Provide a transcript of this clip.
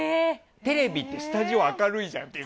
テレビってスタジオ明るいじゃんって。